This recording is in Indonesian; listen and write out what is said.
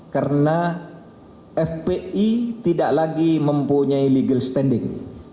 karena fpi tidak lagi mempunyai legal standing